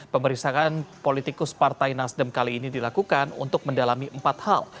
pemeriksaan politikus partai nasdem kali ini dilakukan untuk mendalami empat hal